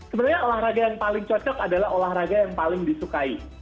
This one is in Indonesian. sebenarnya olahraga yang paling cocok adalah olahraga yang paling disukai